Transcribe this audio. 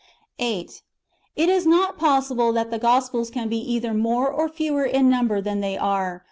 8. It is not possible that the Gospels can be either more or fewer in number than they are.